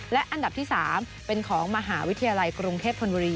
และอันดับที่๓เป็นของมหาวิทยาลัยกรุงเทพธนบุรี